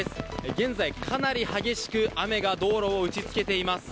現在、かなり激しく雨が道路を打ちつけています。